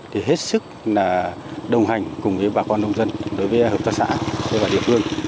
thì hết sức là đồng hành cùng với bà con nông dân đối với hợp tác xã và địa phương